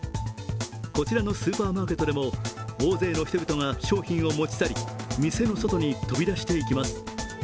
こちらのスーパーマーケットでも大勢の人々が商品を持ち去り、店の外に飛び出していきます。